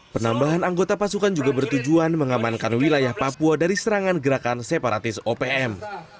penambahan anggota pasukan juga bertujuan mengamankan wilayah papua dari serangan gerakan separatis opm